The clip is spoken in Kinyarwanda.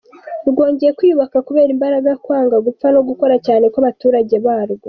Rwongeye kwiyubaka kubera imbaraga, kwanga gupfa no gukora cyane kw’abaturage barwo.